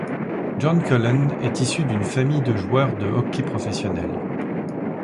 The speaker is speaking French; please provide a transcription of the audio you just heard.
John Cullen est issu d'une famille de joueurs de hockey professionnels.